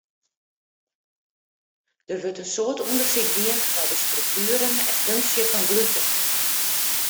Der wurdt in soad ûndersyk dien nei de struktueren en funksje fan gluten.